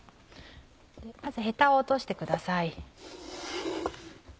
まずヘタを落としてください。